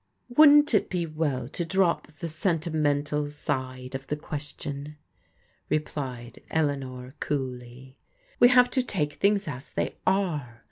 " Wouldn't it be well to drop the sentimental side of the question? " replied Eleanor coolly. " We have to take things as they are.